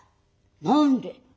「何で？」。